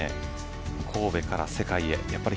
神戸から世界へ。